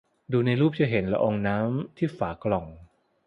ดูในรูปจะเห็นละอองน้ำที่ฝากล่อง